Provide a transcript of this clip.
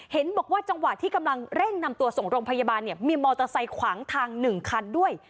เห็นบอกว่าจังหวะที่กำลังเร่งนำตัวส่งโรงพยาบาลเนี่ยมีมอเตอร์ไซค์ขวางทาง๑คันด้วย